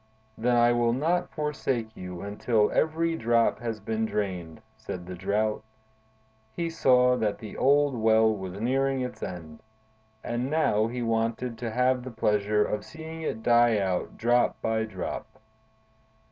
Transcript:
"Then I will not forsake you until every drop has been drained," said the Drought. He saw that the old Well was nearing its end, and now he wanted to have the pleasure of seeing it die out drop by drop.